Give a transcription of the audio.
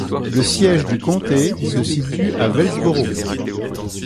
Le siège du comté se situe à Wellsboro.